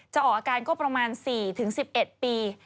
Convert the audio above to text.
ออกอาการก็ประมาณ๔๑๑ปี